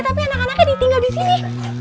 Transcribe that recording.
tapi anak anaknya ditinggal disini